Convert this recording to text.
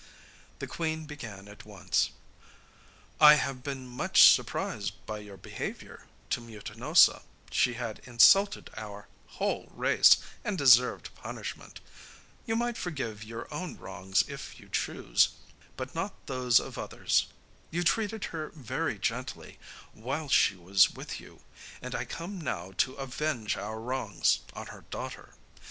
The queen began at once: 'I have been much surprised by your behaviour to Mutinosa; she had insulted our whole race, and deserved punishment. You might forgive your own wrongs if you chose, but not those of others. You treated her very gently whilst she was with you, and I come now to avenge our wrongs on her daughter.